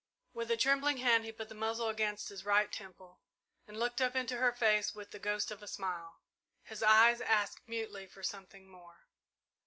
With a trembling hand he put the muzzle against his right temple, and looked up into her face with the ghost of a smile. His eyes asked mutely for something more.